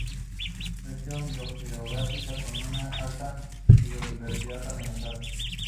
Región biogeográfica con una alta biodiversidad amenazada.